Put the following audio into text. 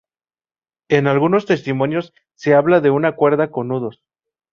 En algunos testimonios se habla de una cuerda con nudos.